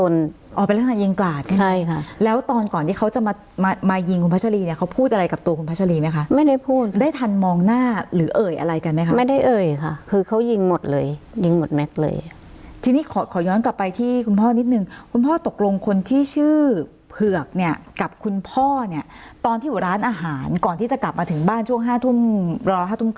ตอนที่เขาจะมามายิงคุณพัชรีเนี่ยเขาพูดอะไรกับตัวคุณพัชรีไหมคะไม่ได้พูดได้ทันมองหน้าหรือเอ่ยอะไรกันไหมคะไม่ได้เอ่ยค่ะคือเขายิงหมดเลยยิงหมดแม็กซ์เลยทีนี้ขอขอย้อนกลับไปที่คุณพ่อนิดนึงคุณพ่อตกลงคนที่ชื่อเผือกเนี่ยกับคุณพ่อเนี่ยตอนที่อยู่ร้านอาหารก่อนที่จะกลับมาถึงบ้านช่วง๕ทุ่มรอห้าตุ